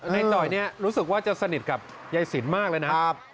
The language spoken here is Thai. นายจ่อยรู้สึกว่าจะสนิทกับยายศิลป์มากเลยนะ